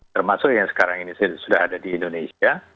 termasuk yang sekarang ini sudah ada di indonesia